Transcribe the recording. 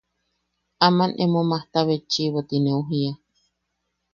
“aman emo majta betchiʼibo” ti neu jiia.